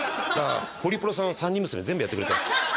ホリプロさんは３人娘全部やってくれたんです